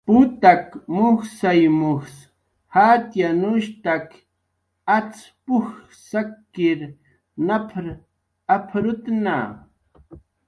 "Putak mujsay mujs jatxyanushtaki, acx p""uj saki nap""r ap""urktna"